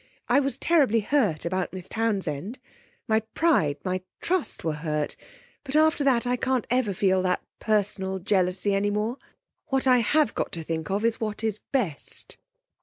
I was terribly hurt about Miss Townsend. My pride, my trust were hurt but after that I can't ever feel that personal jealousy any more. What I have got to think of is what is best.'